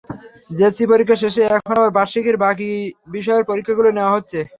JSC পরীক্ষা শেষে এখন আবার বার্ষিকের বাকি বিষয়ের পরীক্ষাগুলো নেওয়া হচ্ছে।